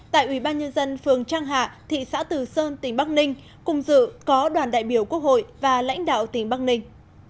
tại ubnd phường trang hạ thị xã từ sơn tỉnh bắc ninh cùng dự có đoàn đại biểu quốc hội và lãnh đạo tỉnh bắc ninh